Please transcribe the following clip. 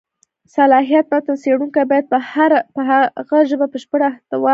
صلاحیت: متن څېړونکی باید پر هغه ژبه بشېړه احتوا ولري.